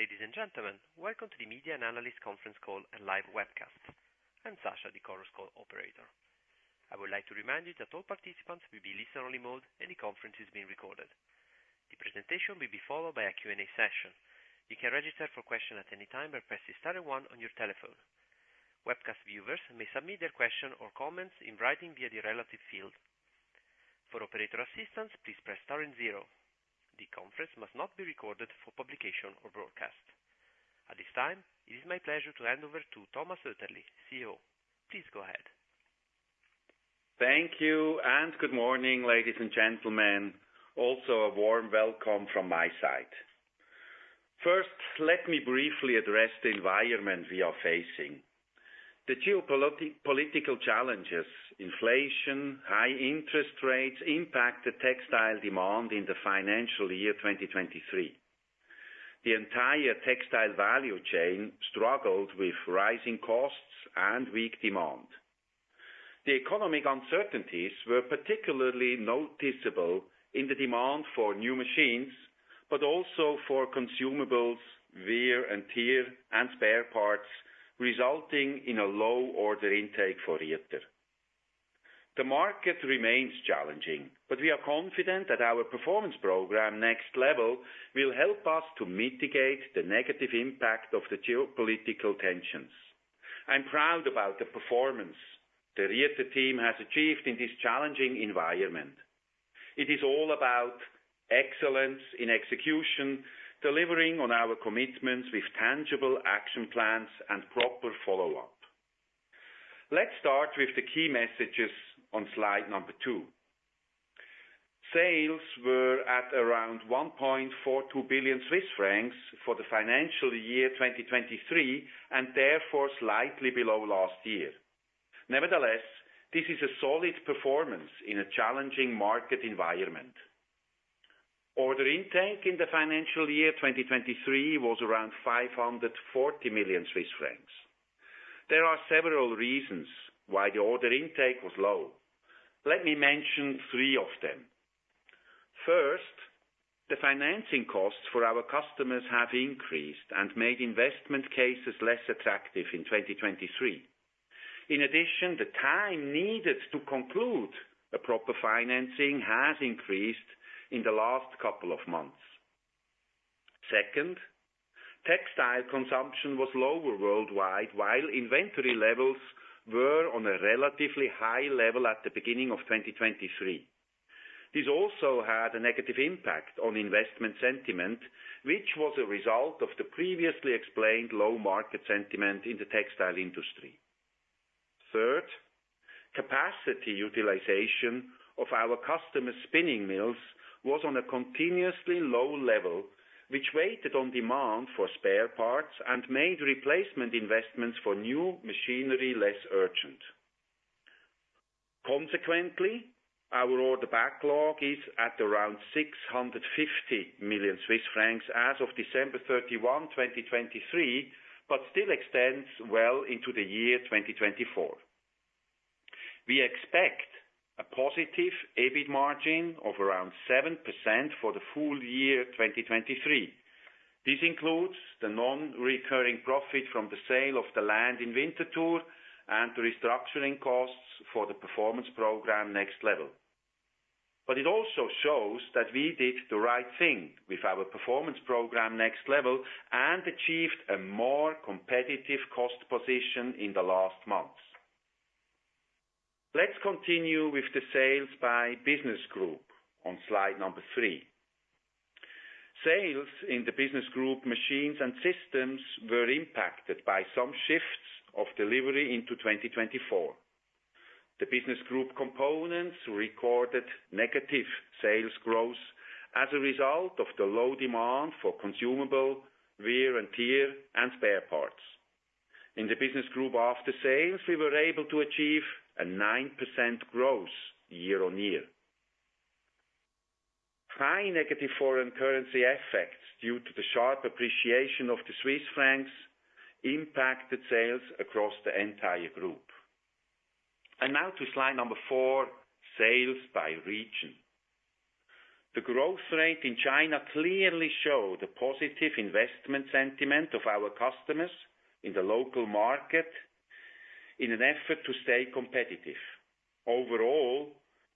Ladies and gentlemen, welcome to the Media and Analyst Conference Call and live webcast. I'm Sasha, the conference call operator. I would like to remind you that all participants will be in listen-only mode, and the conference is being recorded. The presentation will be followed by a Q&A session. You can register for question at any time by pressing star one on your telephone. Webcast viewers may submit their question or comments in writing via the relative field. For operator assistance, please press star and zero. The conference must not be recorded for publication or broadcast. At this time, it is my pleasure to hand over to Thomas Oetterli, CEO. Please go ahead. Thank you, and good morning, ladies and gentlemen. Also, a warm welcome from my side. First, let me briefly address the environment we are facing. The geopolitical challenges, inflation, high interest rates impacted textile demand in the financial year 2023. The entire textile value chain struggled with rising costs and weak demand. The economic uncertainties were particularly noticeable in the demand for new machines, but also for consumables, wear and tear, and spare parts, resulting in a low order intake for Rieter. The market remains challenging, but we are confident that our performance program, Next Level, will help us to mitigate the negative impact of the geopolitical tensions. I'm proud about the performance the Rieter team has achieved in this challenging environment. It is all about excellence in execution, delivering on our commitments with tangible action plans and proper follow-up. Let's start with the key messages on slide number two. Sales were at around 1.42 billion Swiss francs for the financial year 2023, and therefore, slightly below last year. Nevertheless, this is a solid performance in a challenging market environment. Order intake in the financial year 2023 was around 540 million Swiss francs. There are several reasons why the order intake was low. Let me mention three of them. First, the financing costs for our customers have increased and made investment cases less attractive in 2023. In addition, the time needed to conclude a proper financing has increased in the last couple of months. Second, textile consumption was lower worldwide, while inventory levels were on a relatively high level at the beginning of 2023. This also had a negative impact on investment sentiment, which was a result of the previously explained low market sentiment in the textile industry. Third, capacity utilization of our customer spinning mills was on a continuously low level, which weighed on demand for spare parts and made replacement investments for new machinery less urgent. Consequently, our order backlog is at around 650 million Swiss francs as of December 31, 2023, but still extends well into the year 2024. We expect a positive EBIT margin of around 7% for the full year 2023. This includes the non-recurring profit from the sale of the land in Winterthur and the restructuring costs for the performance program Next Level. But it also shows that we did the right thing with our performance program, Next Level, and achieved a more competitive cost position in the last months. Let's continue with the sales by business group on slide number three. Sales in the Business Group Machines and Systems, were impacted by some shifts of delivery into 2024. The Business Group Components recorded negative sales growth as a result of the low demand for consumable wear and tear and spare parts. In the Business Group After Sales, we were able to achieve a 9% growth year on year. High negative foreign currency effects, due to the sharp appreciation of the Swiss francs, impacted sales across the entire group. And now to slide number four, sales by region. The growth rate in China clearly show the positive investment sentiment of our customers in the local market in an effort to stay competitive. Overall,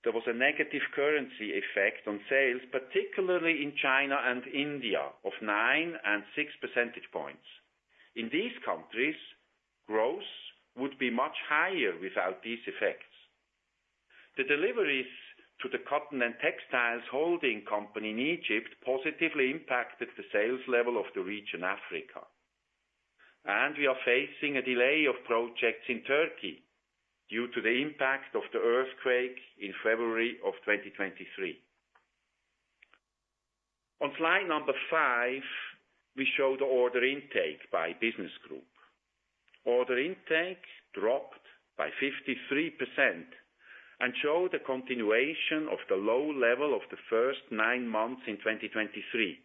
there was a negative currency effect on sales, particularly in China and India, of 9 and 6 percentage points. In these countries, growth would be much higher without these effects. The deliveries to the Cotton and Textiles Holding Company in Egypt positively impacted the sales level of the region, Africa. We are facing a delay of projects in Turkey due to the impact of the earthquake in February of 2023. On slide number five, we show the order intake by business group. Order intake dropped by 53% and showed a continuation of the low level of the first nine months in 2023.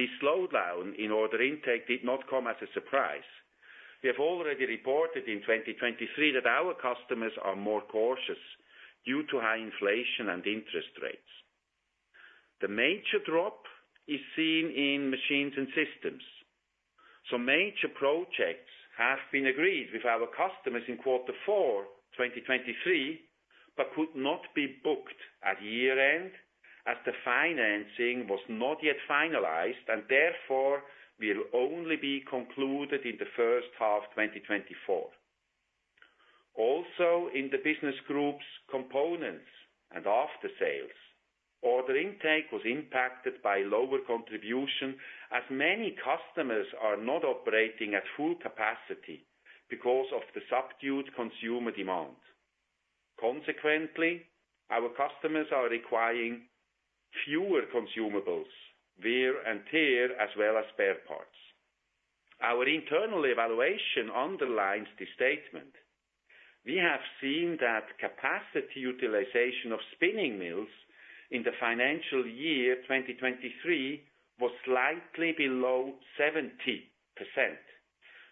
This slowdown in order intake did not come as a surprise. We have already reported in 2023 that our customers are more cautious due to high inflation and interest rates. The major drop is seen in Machines and Systems, so major projects have been agreed with our customers in quarter four, 2023, but could not be booked at year-end as the financing was not yet finalized, and therefore will only be concluded in the first half, 2024. Also, in the Business Groups Components and After Sales, order intake was impacted by lower contribution as many customers are not operating at full capacity because of the subdued consumer demand. Consequently, our customers are requiring fewer consumables, wear and tear, as well as spare parts. Our internal evaluation underlines this statement. We have seen that capacity utilization of spinning mills in the financial year 2023 was slightly below 70%,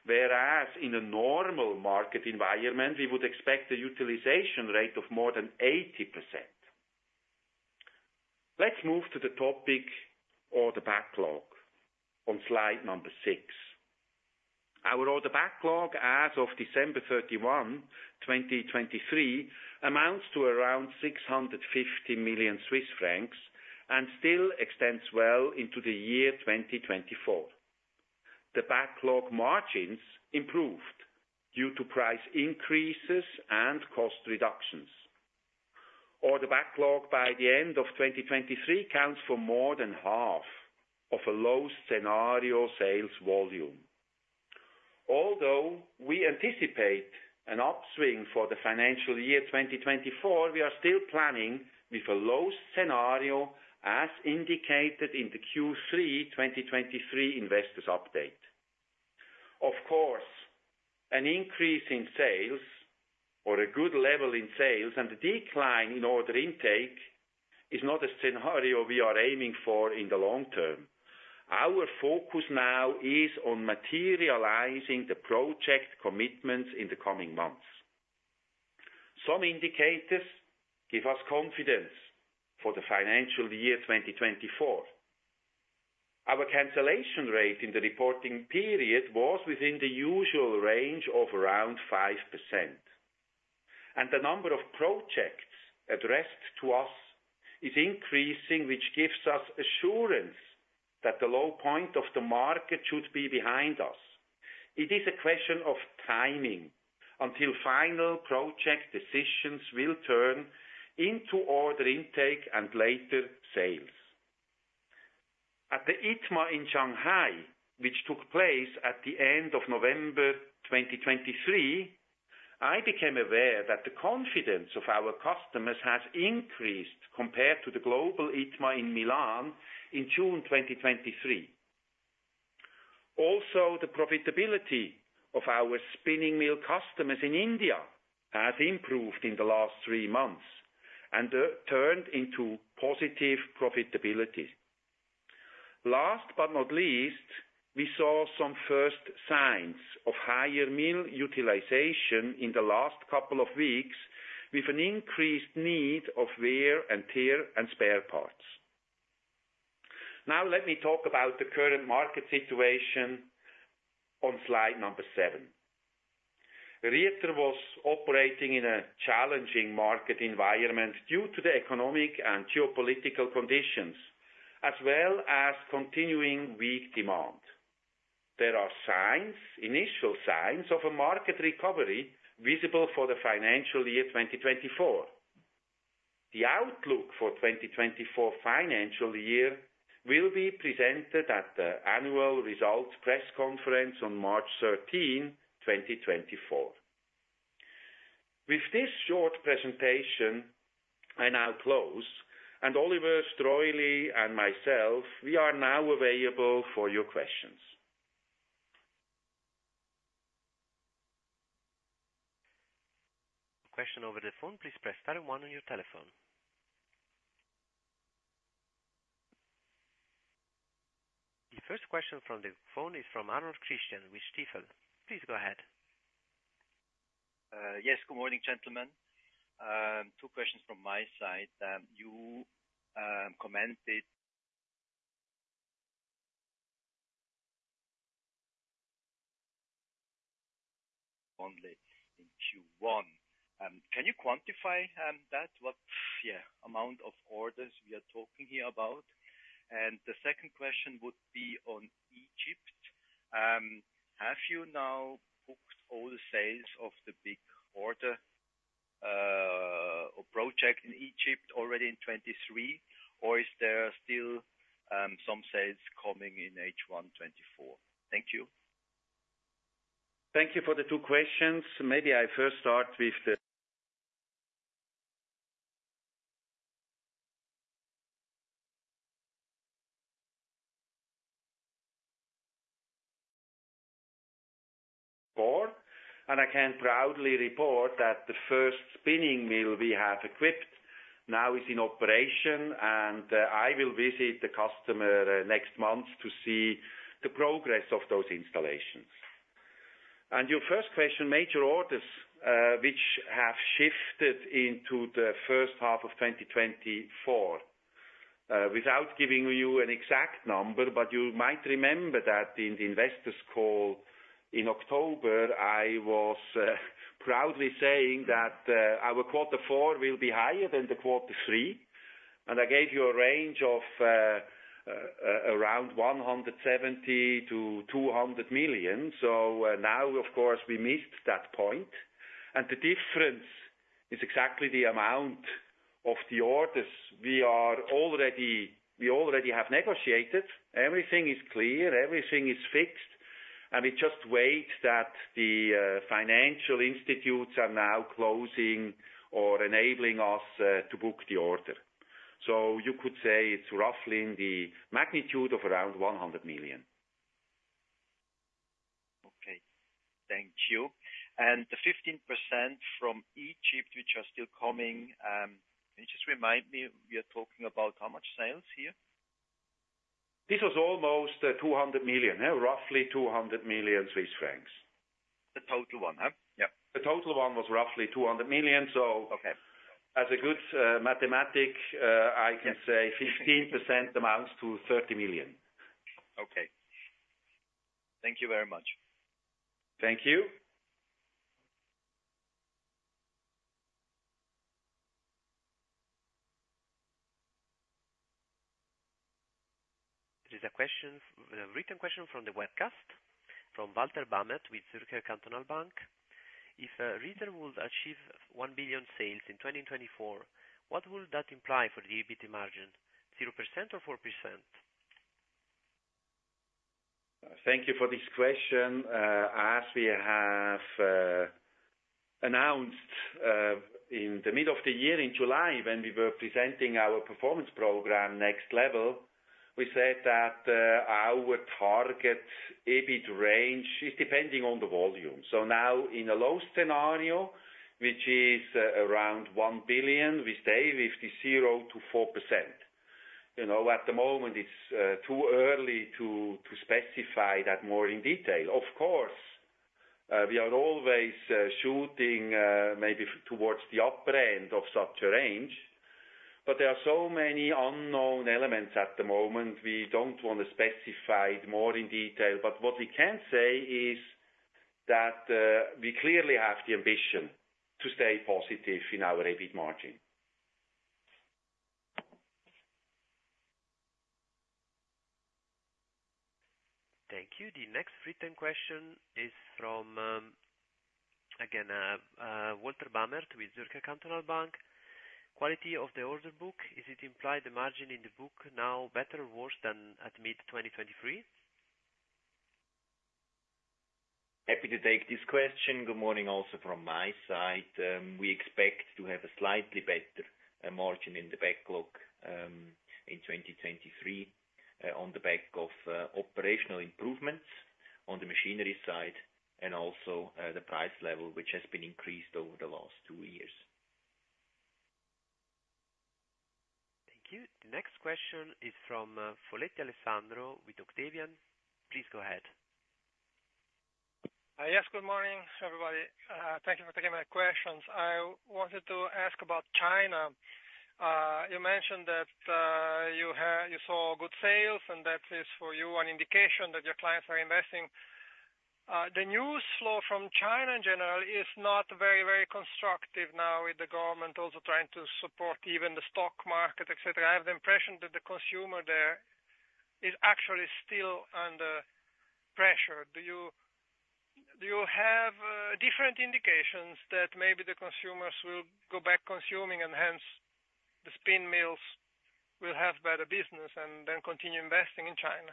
whereas in a normal market environment, we would expect a utilization rate of more than 80%. Let's move to the topic order backlog on slide number six. Our order backlog as of December 31, 2023, amounts to around 650 million Swiss francs and still extends well into the year 2024. The backlog margins improved due to price increases and cost reductions. Order backlog by the end of 2023 accounts for more than half of a low scenario sales volume. Although we anticipate an upswing for the financial year 2024, we are still planning with a low scenario as indicated in the Q3 2023 investors update. Of course, an increase in sales or a good level in sales and a decline in order intake is not a scenario we are aiming for in the long term. Our focus now is on materializing the project commitments in the coming months. Some indicators give us confidence for the financial year 2024. Our cancellation rate in the reporting period was within the usual range of around 5%, and the number of projects addressed to us is increasing, which gives us assurance that the low point of the market should be behind us. It is a question of timing until final project decisions will turn into order intake and later, sales. At the ITMA in Shanghai, which took place at the end of November 2023, I became aware that the confidence of our customers has increased compared to the global ITMA in Milan in June 2023. Also, the profitability of our spinning mill customers in India has improved in the last three months and turned into positive profitability. Last but not least, we saw some first signs of higher mill utilization in the last couple of weeks, with an increased need of wear and tear and spare parts. Now, let me talk about the current market situation on slide number seven. Rieter was operating in a challenging market environment due to the economic and geopolitical conditions, as well as continuing weak demand. There are signs, initial signs of a market recovery visible for the financial year 2024. The outlook for 2024 financial year will be presented at the annual results press conference on March 13, 2024. With this short presentation, I now close, and Oliver Streuli and myself, we are now available for your questions. Question over the phone, please press star one on your telephone. The first question from the phone is from Christian Arnold with Stifel. Please go ahead. Yes, good morning, gentlemen. Two questions from my side. You commented only in Q1. Can you quantify that? What amount of orders we are talking here about? And the second question would be on Egypt. Have you now booked all the sales of the big order or project in Egypt already in 2023, or is there still some sales coming in H1 2024? Thank you. Thank you for the two questions. Maybe I first start with the board. I can proudly report that the first spinning mill we have equipped now is in operation, and I will visit the customer next month to see the progress of those installations. Your first question, major orders, which have shifted into the first half of 2024. Without giving you an exact number, but you might remember that in the investors call in October, I was proudly saying that our quarter four will be higher than the quarter three, and I gave you a range of around 170 million-200 million. So now, of course, we missed that point, and the difference is exactly the amount of the orders we already have negotiated. Everything is clear, everything is fixed, and we just wait that the financial institutes are now closing or enabling us to book the order. So you could say it's roughly in the magnitude of around 100 million. Okay. Thank you. And the 15% from Egypt, which are still coming, can you just remind me, we are talking about how much sales here? This was almost 200 million. Roughly 200 million Swiss francs. The total one, huh? Yeah. The total one was roughly 200 million, so- Okay. As a good mathematician, I can say 15% amounts to 30 million. Okay. Thank you very much. Thank you. There is a question, a written question from the webcast, from Walter Bamert, with Zürcher Kantonalbank. If Rieter will achieve 1 billion sales in 2024, what will that imply for the EBIT margin, 0% or 4%? Thank you for this question. As we have announced in the middle of the year, in July, when we were presenting our performance program Next Level, we said that our target EBIT range is depending on the volume. So now in a low scenario, which is around CHF 1 billion, we say 0%-4%. You know, at the moment it's too early to specify that more in detail. Of course, we are always shooting maybe towards the upper end of such a range, but there are so many unknown elements at the moment. We don't want to specify it more in detail, but what we can say is that we clearly have the ambition to stay positive in our EBIT margin. Thank you. The next written question is from Walter Bamert with Zürcher Kantonalbank. Quality of the order book, is it implied the margin in the book now better or worse than at mid-2023? Happy to take this question. Good morning, also from my side. We expect to have a slightly better margin in the backlog in 2023 on the back of operational improvements on the machinery side and also the price level, which has been increased over the last 2 years. Thank you. The next question is from Alessandro Foletti with Octavian. Please go ahead. Yes, good morning, everybody. Thank you for taking my questions. I wanted to ask about China. You mentioned that you had-- you saw good sales, and that is, for you, an indication that your clients are investing. The news flow from China in general is not very, very constructive now, with the government also trying to support even the stock market, et cetera. I have the impression that the consumer there is actually still under pressure. Do you, do you have different indications that maybe the consumers will go back consuming, and hence the spin mills will have better business and then continue investing in China?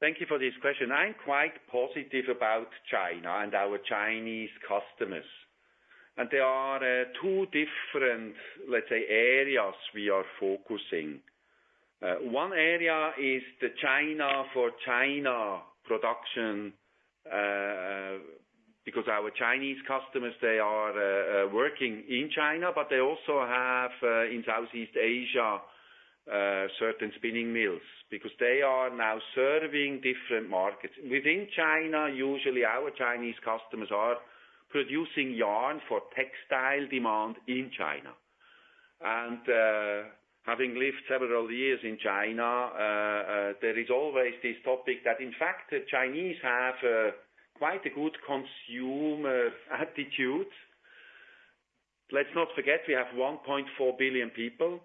Thank you for this question. I'm quite positive about China and our Chinese customers. And there are two different, let's say, areas we are focusing. One area is the China for China production, because our Chinese customers, they are working in China, but they also have in Southeast Asia certain spinning mills, because they are now serving different markets. Within China, usually, our Chinese customers are producing yarn for textile demand in China. And having lived several years in China, there is always this topic that, in fact, the Chinese have quite a good consumer attitude. Let's not forget, we have 1.4 billion people,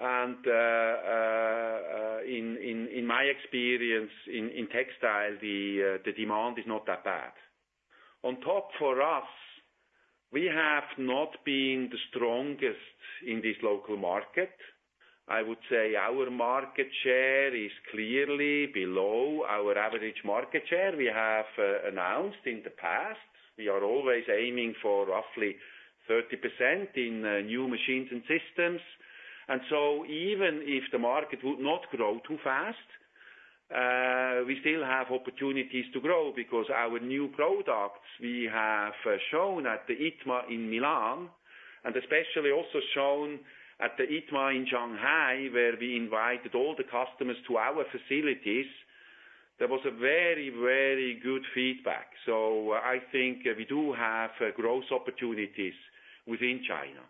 and in my experience in textile, the demand is not that bad. On top for us, we have not been the strongest in this local market. I would say our market share is clearly below our average market share. We have announced in the past, we are always aiming for roughly 30% in new machines and systems.... And so even if the market would not grow too fast, we still have opportunities to grow because our new products we have shown at the ITMA in Milan, and especially also shown at the ITMA in Shanghai, where we invited all the customers to our facilities. There was a very, very good feedback. So I think we do have growth opportunities within China.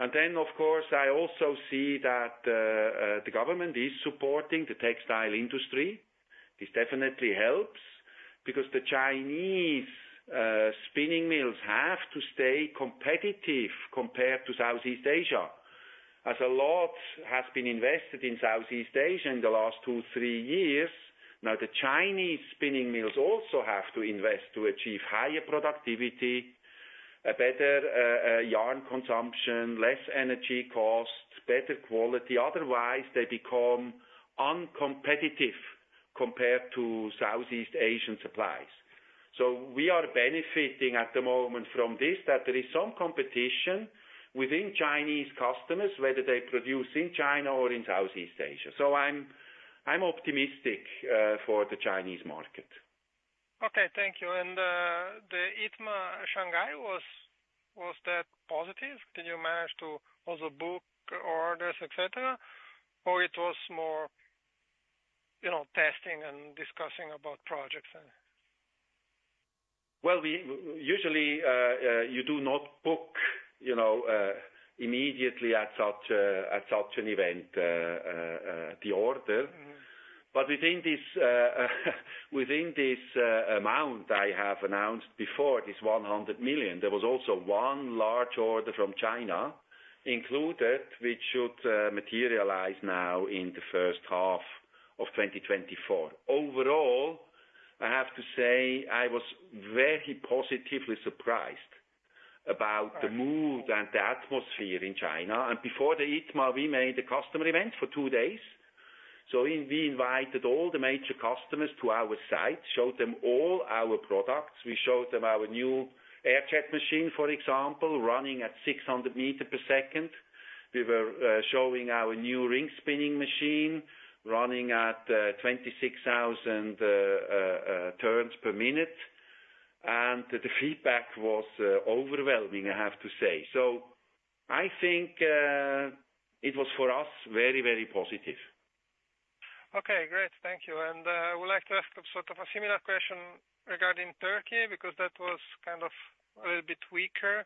And then, of course, I also see that the government is supporting the textile industry. This definitely helps because the Chinese spinning mills have to stay competitive compared to Southeast Asia, as a lot has been invested in Southeast Asia in the last two, three years. Now, the Chinese spinning mills also have to invest to achieve higher productivity, a better yarn consumption, less energy costs, better quality. Otherwise, they become uncompetitive compared to Southeast Asian suppliers. So we are benefiting at the moment from this, that there is some competition within Chinese customers, whether they produce in China or in Southeast Asia. So I'm optimistic for the Chinese market. Okay, thank you. And, the ITMA Shanghai, was that positive? Did you manage to also book orders, et cetera, or it was more, you know, testing and discussing about projects and? Well, we usually, you know, you do not book the order. Mm-hmm. But within this, within this, amount I have announced before, this 100 million, there was also one large order from China included, which should materialize now in the first half of 2024. Overall, I have to say, I was very positively surprised about- Right... the mood and the atmosphere in China. Before the ITMA, we made a customer event for two days. So we invited all the major customers to our site, showed them all our products. We showed them our new air-jet machine, for example, running at 600 meters per second. We were showing our new ring spinning machine, running at 26,000 turns per minute, and the feedback was overwhelming, I have to say. So I think it was for us, very, very positive. Okay, great. Thank you. I would like to ask sort of a similar question regarding Turkey, because that was kind of a little bit weaker.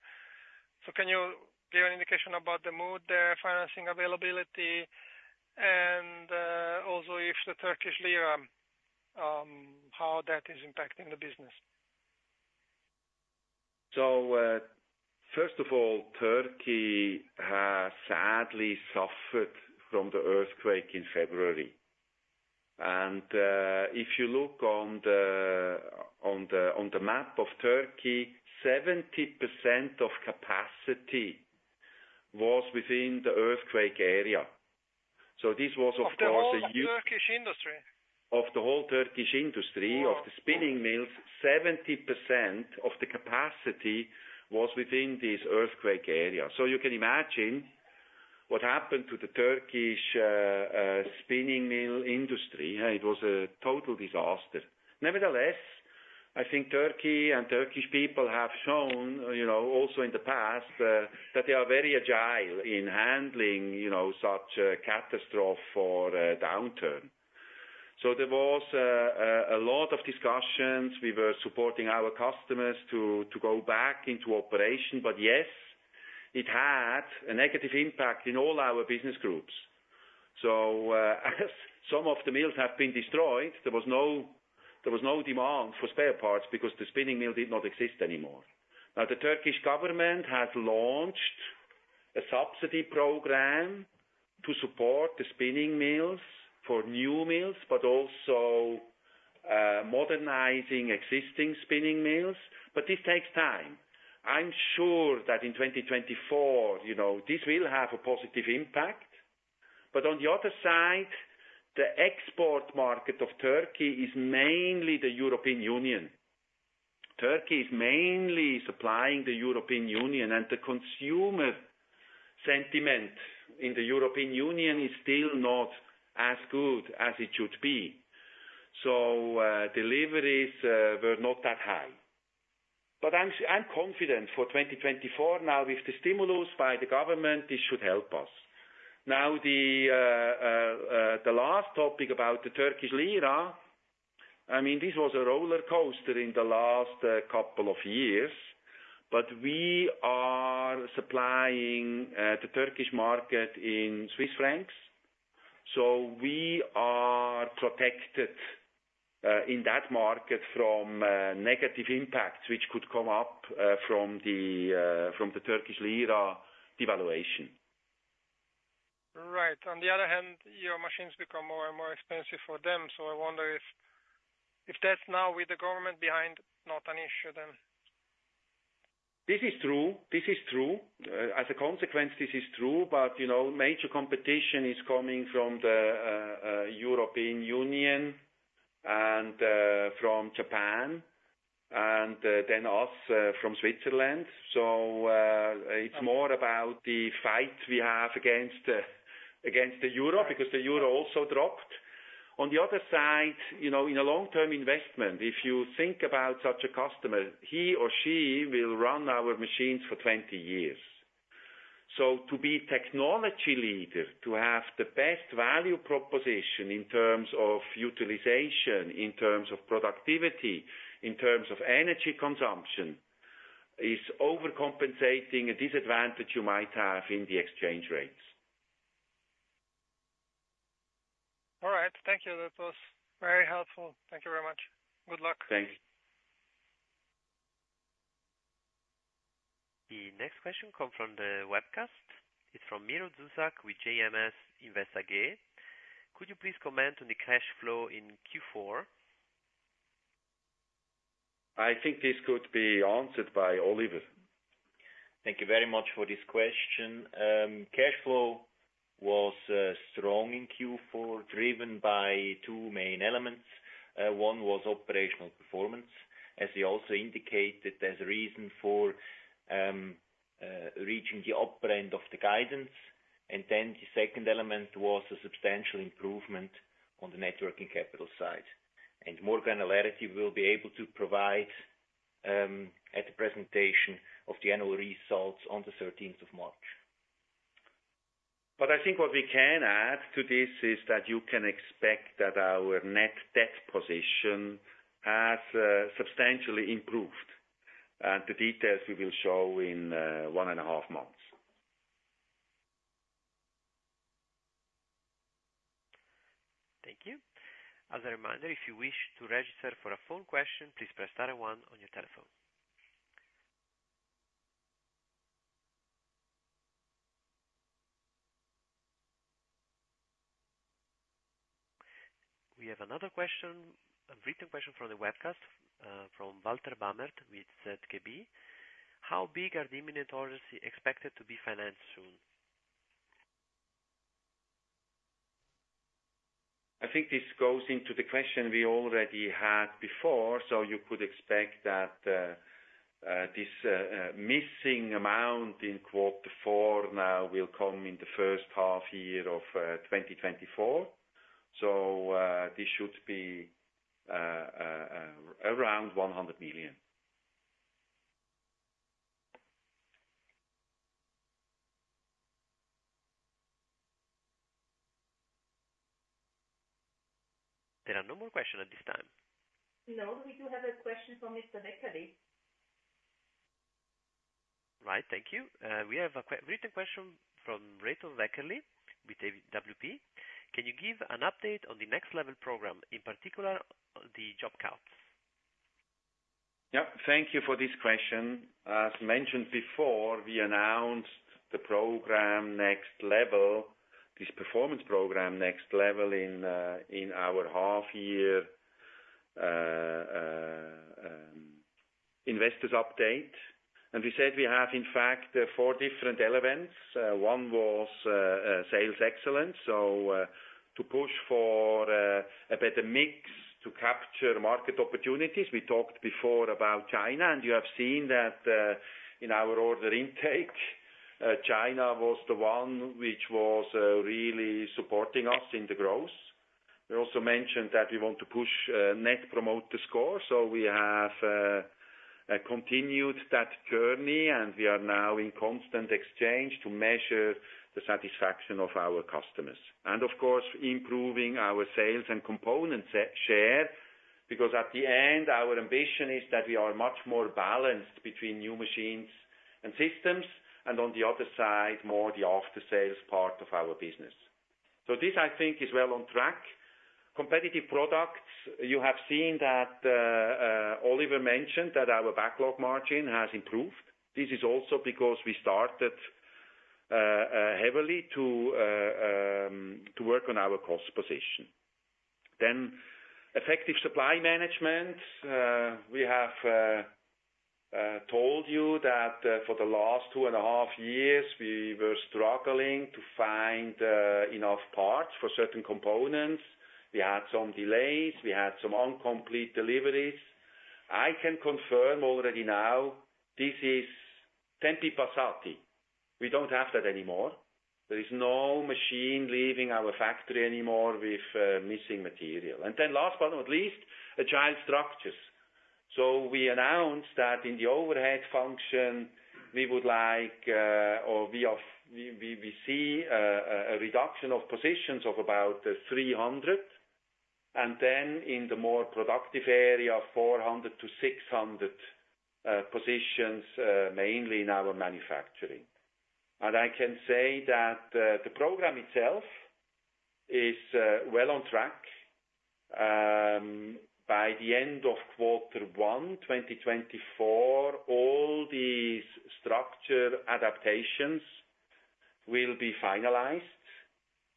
Can you give an indication about the mood there, financing availability, and also if the Turkish Lira, how that is impacting the business? So, first of all, Turkey has sadly suffered from the earthquake in February. And, if you look on the map of Turkey, 70% of capacity was within the earthquake area. So this was, of course, a- Of the whole Turkish industry? Of the whole Turkish industry- Wow!... Of the spinning mills, 70% of the capacity was within this earthquake area. So you can imagine what happened to the Turkish, spinning mill industry. It was a total disaster. Nevertheless, I think Turkey and Turkish people have shown, you know, also in the past, that they are very agile in handling, you know, such a catastrophe or a downturn. So there was, a lot of discussions. We were supporting our customers to go back into operation. But yes, it had a negative impact in all our business groups. So, as some of the mills have been destroyed, there was no, there was no demand for spare parts because the spinning mill did not exist anymore. Now, the Turkish government has launched a subsidy program to support the spinning mills for new mills, but also, modernizing existing spinning mills. But this takes time. I'm sure that in 2024, you know, this will have a positive impact. But on the other side, the export market of Turkey is mainly the European Union. Turkey is mainly supplying the European Union, and the consumer sentiment in the European Union is still not as good as it should be. So, deliveries were not that high. But I'm confident for 2024. Now, with the stimulus by the government, this should help us. Now, the last topic about the Turkish Lira, I mean, this was a roller coaster in the last couple of years. But we are supplying the Turkish market in Swiss francs, so we are protected in that market from negative impacts, which could come up from the Turkish Lira devaluation. Right. On the other hand, your machines become more and more expensive for them. So I wonder if that's now with the government behind, not an issue then? This is true. This is true. As a consequence, this is true, but, you know, major competition is coming from the European Union and from Japan and then us from Switzerland. So, it's more about the fight we have against the euro, because the euro also dropped. On the other side, you know, in a long-term investment, if you think about such a customer, he or she will run our machines for 20 years. So to be technology leader, to have the best value proposition in terms of utilization, in terms of productivity, in terms of energy consumption, is overcompensating a disadvantage you might have in the exchange rates. All right. Thank you. That was very helpful. Thank you very much. Good luck. Thanks. The next question comes from the webcast. It's from Miro Zuzak with JMS Invest AG. Could you please comment on the cash flow in Q4? I think this could be answered by Oliver. Thank you very much for this question. Cash flow was strong in Q4, driven by two main elements. One was operational performance, as he also indicated. There's a reason for reaching the upper end of the guidance. Then the second element was a substantial improvement on the net working capital side, and more granularity we'll be able to provide at the presentation of the annual results on the thirteenth of March. But I think what we can add to this is that you can expect that our net debt position has substantially improved, and the details we will show in one and a half months. Thank you. As a reminder, if you wish to register for a phone question, please press star one on your telephone. We have another question, a written question from the webcast, from Walter Bamert with ZKB. How big are the imminent orders expected to be financed soon? I think this goes into the question we already had before. So you could expect that, this missing amount in quarter four now will come in the first half year of 2024. So, this should be around CHF 100 million. There are no more questions at this time. No, we do have a question from Mr. Wackerli. Right. Thank you. We have a written question from Reto Wackerli with AWP. Can you give an update on the Next Level program, in particular, the job counts? Yep. Thank you for this question. As mentioned before, we announced the program Next Level, this performance program Next Level in, in our Half-Year Investors Update. And we said we have, in fact, four different elements. One was, sales excellence. So, to push for, a better mix to capture market opportunities. We talked before about China, and you have seen that, in our order intake, China was the one which was, really supporting us in the growth. We also mentioned that we want to push, Net Promoter Score. So we have, continued that journey, and we are now in constant exchange to measure the satisfaction of our customers. And of course, improving our sales and component share, because at the end, our ambition is that we are much more balanced between new machines and systems, and on the other side, more the after-sales part of our business. So this, I think, is well on track. Competitive products, you have seen that, Oliver mentioned that our backlog margin has improved. This is also because we started heavily to work on our cost position. Then effective supply management. We have told you that, for the last 2.5 years, we were struggling to find enough parts for certain components. We had some delays, we had some incomplete deliveries. I can confirm already now, this is tempi passati. We don't have that anymore. There is no machine leaving our factory anymore with missing material. And then last but not least, agile structures. So we announced that in the overhead function, we would like, or we see, a reduction of positions of about 300, and then in the more productive area, 400-600 positions, mainly in our manufacturing. And I can say that, the program itself is, well on track. By the end of quarter one, 2024, all these structure adaptations will be finalized,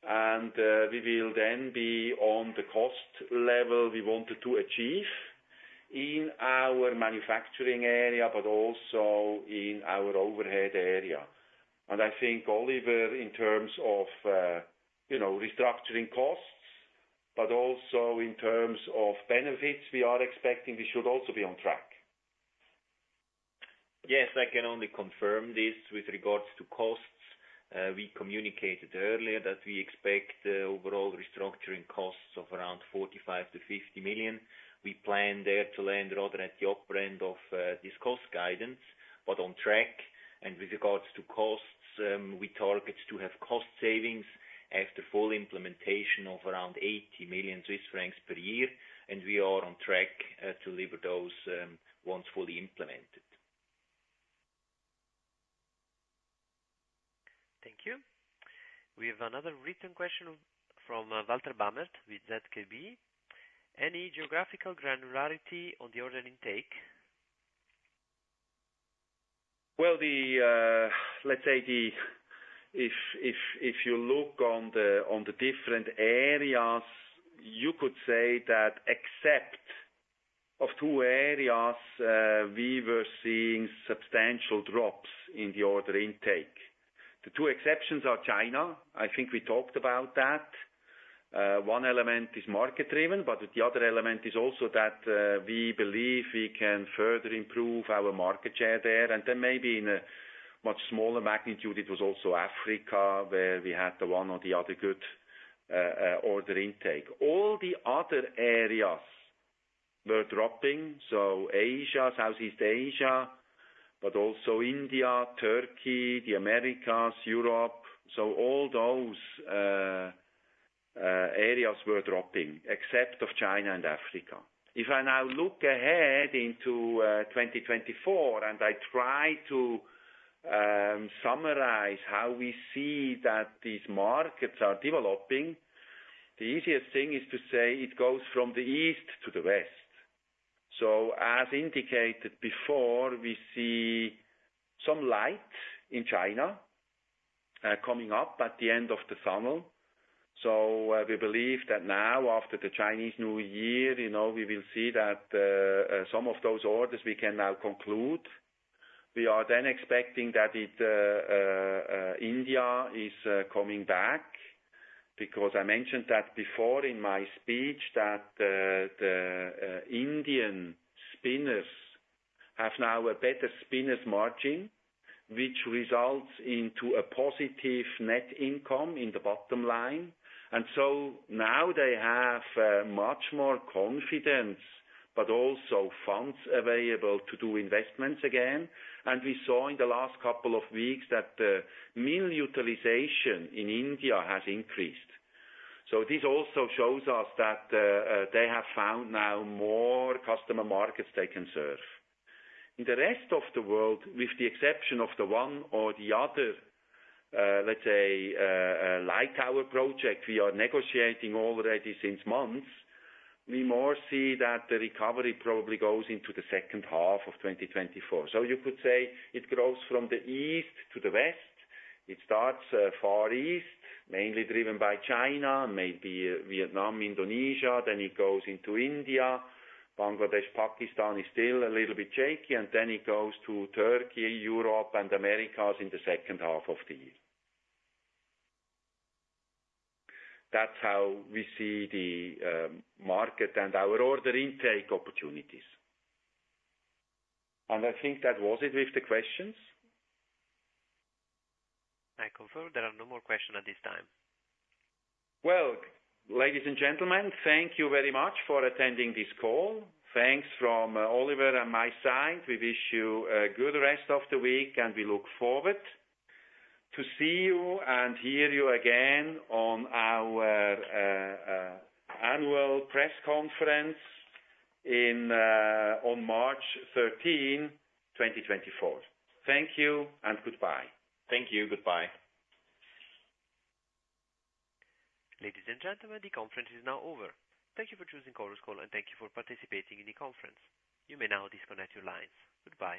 and, we will then be on the cost level we wanted to achieve in our manufacturing area, but also in our overhead area. And I think, Oliver, in terms of, you know, restructuring costs?... but also in terms of benefits, we are expecting we should also be on track. Yes, I can only confirm this. With regards to costs, we communicated earlier that we expect overall restructuring costs of around 45 million-50 million. We plan there to land rather at the upper end of this cost guidance, but on track. With regards to costs, we target to have cost savings after full implementation of around 80 million Swiss francs per year, and we are on track to deliver those once fully implemented. Thank you. We have another written question from Walter Bamert with ZKB. Any geographical granularity on the order intake? Well, let's say if you look on the different areas, you could say that except of two areas, we were seeing substantial drops in the order intake. The two exceptions are China, I think we talked about that. One element is market-driven, but the other element is also that, we believe we can further improve our market share there. And then maybe in a much smaller magnitude, it was also Africa, where we had the one or the other good order intake. All the other areas were dropping, so Asia, Southeast Asia, but also India, Turkey, the Americas, Europe. So all those areas were dropping, except of China and Africa. If I now look ahead into 2024, and I try to summarize how we see that these markets are developing, the easiest thing is to say it goes from the east to the west. So as indicated before, we see some light in China coming up at the end of the tunnel. So we believe that now after the Chinese New Year, you know, we will see that some of those orders we can now conclude. We are then expecting that India is coming back, because I mentioned that before in my speech, that the Indian spinners have now a better spinners margin, which results into a positive net income in the bottom line. And so now they have much more confidence, but also funds available to do investments again. We saw in the last couple of weeks that the mill utilization in India has increased. This also shows us that they have found now more customer markets they can serve. In the rest of the world, with the exception of the one or the other, let's say, like our project, we are negotiating already since months, we more see that the recovery probably goes into the second half of 2024. You could say it grows from the east to the west. It starts, Far East, mainly driven by China, maybe Vietnam, Indonesia, then it goes into India. Bangladesh, Pakistan is still a little bit shaky, and then it goes to Turkey, Europe, and Americas in the second half of the year. That's how we see the market and our order intake opportunities. I think that was it with the questions? I confirm there are no more questions at this time. Well, ladies and gentlemen, thank you very much for attending this call. Thanks from Oliver and my side. We wish you a good rest of the week, and we look forward to see you and hear you again on our annual press conference on March 13, 2024. Thank you and goodbye. Thank you. Goodbye. Ladies and gentlemen, the conference is now over. Thank you for choosing Chorus Call, and thank you for participating in the conference. You may now disconnect your lines. Goodbye.